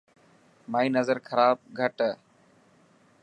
مائي نظر خراب گھٽ هي.